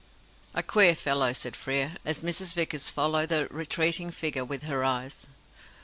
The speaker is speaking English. "A queer fellow," said Frere, as Mrs. Vickers followed the retreating figure with her eyes.